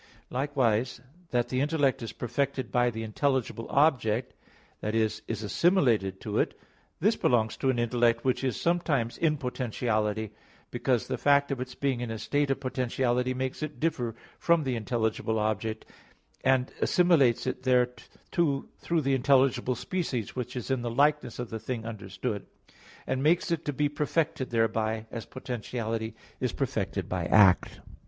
Likewise that the intellect is perfected by the intelligible object, i.e. is assimilated to it, this belongs to an intellect which is sometimes in potentiality; because the fact of its being in a state of potentiality makes it differ from the intelligible object and assimilates it thereto through the intelligible species, which is the likeness of the thing understood, and makes it to be perfected thereby, as potentiality is perfected by act.